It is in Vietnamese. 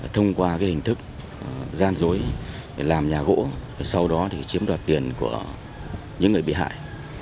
thông qua hình thức gian dối làm nhà gỗ sau đó chiếm đặt tiền của những người bị hại